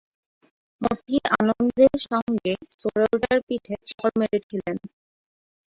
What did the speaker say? মথি আনন্দের সঙ্গে সোরেলটার পিঠে চড় মেরেছিলেন।